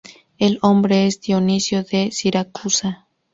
El hombre es Dionisio de Siracusa.